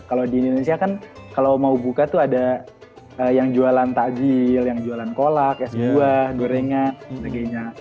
kalau di indonesia kan kalau mau buka tuh ada yang jualan takjil yang jualan kolak es buah gorengan dan sebagainya